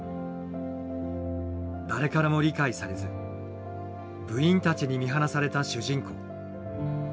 誰からも理解されず部員たちに見放された主人公。